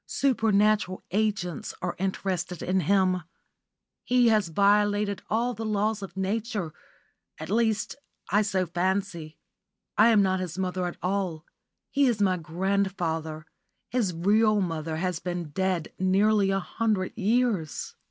Supernatural agents are interested in him. He has violated all the laws of Nature at least, I fancy so. I am not his mother at all. He is my grandfather. His real mother has been dead nearly a hundred years."